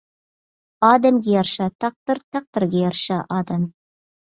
ئادەمگە يارىشا تەقدىر تەقدىرگە يارىشا ئادەم